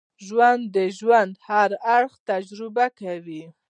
ژوندي د ژوند هر اړخ تجربه کوي